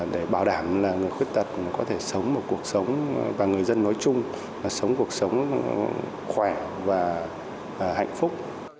để bảo đảm là người khuyết tật có thể sống một cuộc sống và người dân nói chung sống cuộc sống khỏe và hạnh phúc